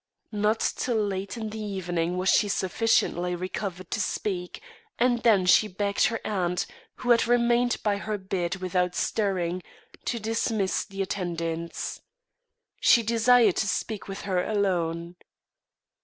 Not till late in the evening was she sufficiently recovered to speak, and then she begged her aunt, who had remained by her bed without stirring, to dismiss the attendants. She desired to speak with her alone.